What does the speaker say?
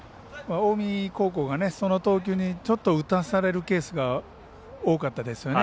近江高校がその投球にちょっと打たされるケースが多かったですよね。